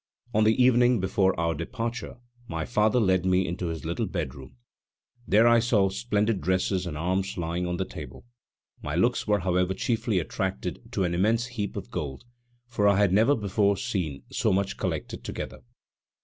On the evening before our departure my father led me into his little bedroom. There I saw splendid dresses and arms lying on the table. My looks were however chiefly attracted to an immense heap of gold, for I had never before seen so much collected together.